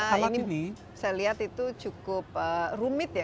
karena ini saya lihat itu cukup rumit ya